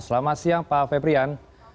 selamat siang pak febrian